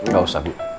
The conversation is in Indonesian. gak usah bu